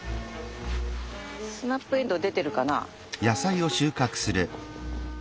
スナップエンドウ出てるかな。